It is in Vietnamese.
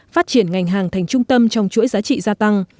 phát triển ngành hàng thành trung tâm trong chuỗi giá trị gia tăng